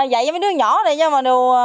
dạy cho mấy đứa nhỏ này nha